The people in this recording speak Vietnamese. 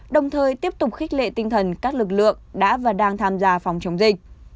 đồng thời tiếp tục khích lệ tinh thần các lực lượng đã và đang tham gia phòng chống dịch